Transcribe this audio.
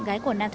rennie tran hả